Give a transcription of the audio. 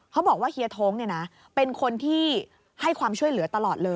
เขาบอกว่าเฮียท้งเป็นคนที่ให้ความช่วยเหลือตลอดเลย